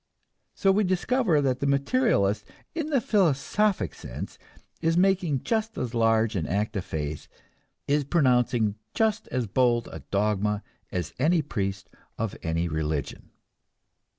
So we discover that the materialist, in the philosophic sense, is making just as large an act of faith, is pronouncing just as bold a dogma as any priest of any religion.